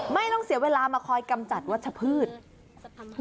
ไม่ต้องเสียเวลามาคอยกำจัดวัชพืช